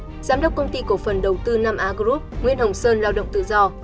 giám đốc công ty cổ phần đầu tư năm a group nguyễn hồng sơn lao động tự do